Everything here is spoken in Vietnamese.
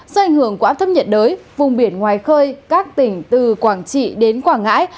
do ảnh hưởng của áp thấp nhiệt đới vùng biển ngoài khơi các tỉnh từ quảng trị đến quảng ngãi